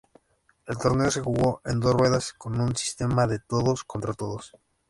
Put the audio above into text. El torneo se jugó en dos ruedas con un sistema de todos-contra-todos.